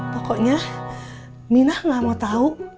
dietnya kau akan nikah